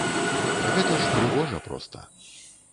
Гэта ж прыгожа проста.